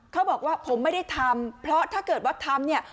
เขาบอกว่าผมไม่ได้ทำเพราะถ้าเกิดว่าทำเนี่ย